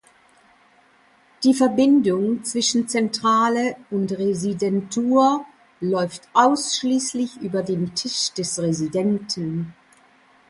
Die Verbindung zwischen Zentrale und Residentur läuft ausschließlich über den Tisch des Residenten.